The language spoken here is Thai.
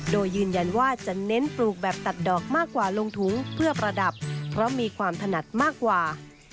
โดยยืนยันว่าจะเน้นปลูกแบบตัดดอกมากกว่าลงถุงเพื่อประดับเพราะมีความถนัดมากกว่า